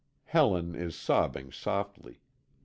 Helen is sobbing softly.